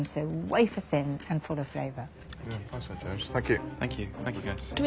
はい。